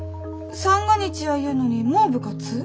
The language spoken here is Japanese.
三が日やいうのにもう部活？